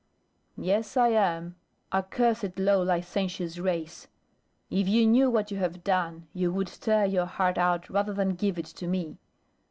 "Yes, I am. Accursed low licentious race! If you knew what you have done, you would tear your heart out rather than give it to me."